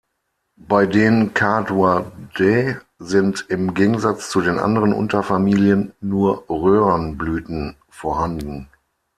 Bei den Carduoideae sind, im Gegensatz zu den anderen Unterfamilien, nur Röhrenblüten vorhanden.